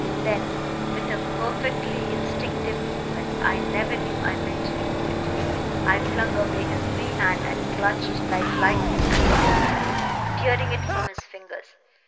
Then, with a perfectly instinctive movement I never knew I meant to do it I flung away his free hand and clutched like lightning at the weapon, tearing it from his fingers.